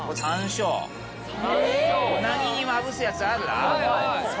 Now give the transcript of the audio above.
鰻にまぶすやつあるら？